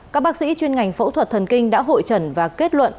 các bác sĩ chuyên ngành phẫu thuật thần kinh đã hội trần và kết luận